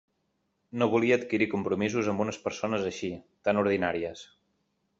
No volia adquirir compromisos amb unes persones així..., tan ordinàries.